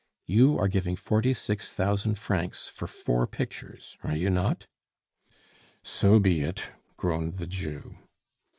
You are giving forty six thousand francs for four pictures, are you not?" "So be it," groaned the Jew.